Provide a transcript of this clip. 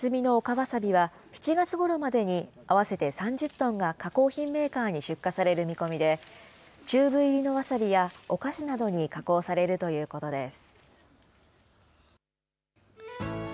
わさびは、７月ごろまでに合わせて３０トンが加工品メーカーに出荷される見込みで、チューブ入りのわさびやお菓子などに加工されるということです。